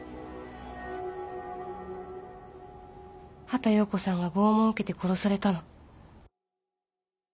畑葉子さんが拷問を受けて殺されたの